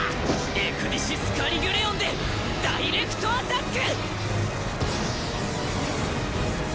エクディシス・カリギュレオンでダイレクトアタック！